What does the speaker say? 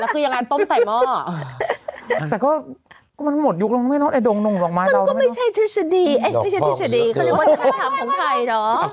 ก็เนี่ยพร้อมแล้วเนี่ย